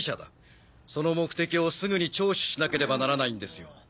その目的をすぐに聴取しなければならないんですよ。